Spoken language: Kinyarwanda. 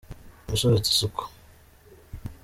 Usobetse isuku